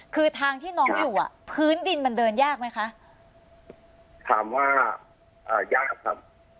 คือทางที่น้องอยู่อ่ะพื้นดินมันเดินยากไหมคะถามว่าอ่ายากครับ